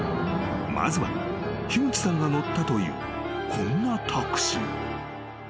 ［まずは樋口さんが乗ったというこんなタクシー］